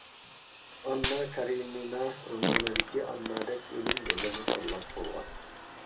ئاننا كارىنىنا رومانىدىكى ئاننادەك ئۆلۈم يولىنى تاللاپ بولغان،